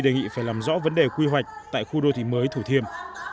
đề nghị phải làm rõ vấn đề quy hoạch tại khu đô thị mới thủ thiêm